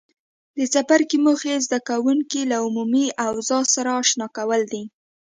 د څپرکي موخې زده کوونکي له عمومي اوضاع سره آشنا کول دي.